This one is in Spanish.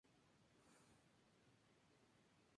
Ella era su asistente activo en sus experimentos científicos.